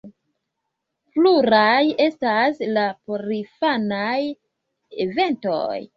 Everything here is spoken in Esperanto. Pluraj estas la porinfanaj eventoj.